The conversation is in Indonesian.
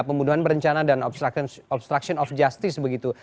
pembunuhan berencana dan obstruction of justice begitu